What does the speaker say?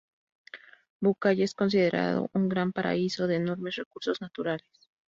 Bucay es considerado un gran "Paraíso" de enormes recursos naturales.